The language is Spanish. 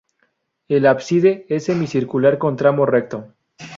El ábside es semicircular con tramo recto.